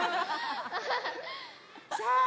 さあ